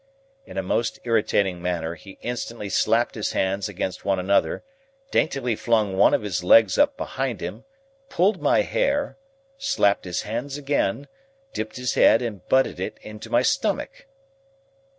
In a most irritating manner he instantly slapped his hands against one another, daintily flung one of his legs up behind him, pulled my hair, slapped his hands again, dipped his head, and butted it into my stomach.